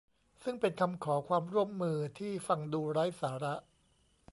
ซึ่งเป็นคำขอความร่วมมือที่ฟังดูไร้สาระ